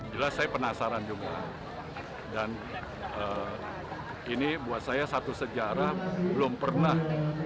jelas saya penasaran juga dan ini buat saya satu sejarah belum pernah